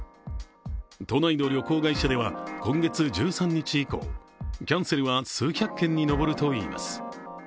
都内の旅行会社では今月１３日以降、キャンセルは数百件に上るといいます。